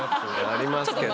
ありますけど。